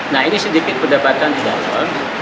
nah ini sedikit pendapatan di dalam